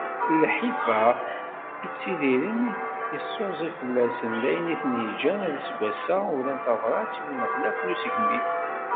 Lḥif-a i ttidiren, yeṣṣuẓi fell-asen, d ayen i ten-yeǧǧan aseggas-a uran tabrat i uneɣlaf n usegmi